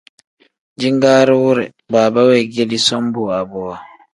Jingaari wire baaba weegedi som bowa bowa.